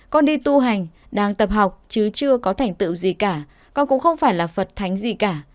con đi tu hành đang tập học chứ chưa có thành tựu gì cả con cũng không phải là phật thánh gì cả